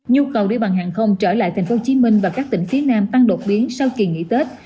nhu cầu đi bằng hàng không trở lại tp hcm và các tỉnh phía nam tăng đột biến sau kỳ nghỉ tết